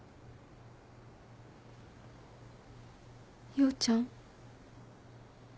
陽ちゃん？